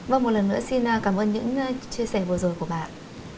vâng một lần nữa xin cảm ơn những chia sẻ vừa rồi của bạn